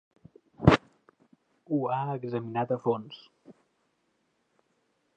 Ho ha examinat a fons.